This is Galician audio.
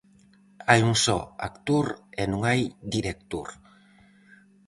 Hai un só actor e non hai director.